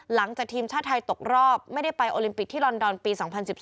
หลังจากทีมชาติไทยตกรอบไม่ได้ไปโอลิมปิกที่ลอนดอนปี๒๐๑๒